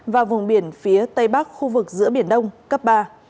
và vùng biển phía tây bắc khu vực giữa biển đông cấp ba